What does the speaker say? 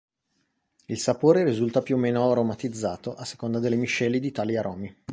Il sapore risulta più o meno aromatizzato a seconda della miscela di tali aromi.